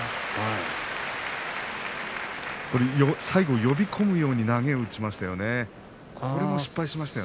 最後、呼び込むように投げを打ちましたよね。